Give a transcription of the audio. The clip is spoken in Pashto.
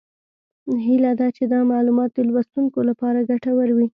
هیله ده چې دا معلومات د لوستونکو لپاره ګټور وي